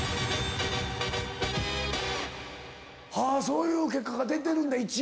そういう結果が出てるんだ！